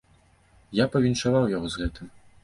Я павіншаваў яго з гэтым.